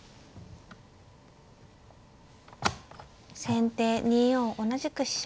先手２四同じく飛車。